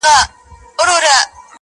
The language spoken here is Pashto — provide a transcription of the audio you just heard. هلک دي لوی کړ د لونګو بوی یې ځینه!.